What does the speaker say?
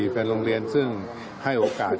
แฟนโรงเรียนซึ่งให้โอกาส